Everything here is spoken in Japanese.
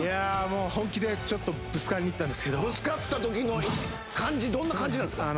もう本気でぶつかりにいったんですけどぶつかった時の感じどんな感じなんですか？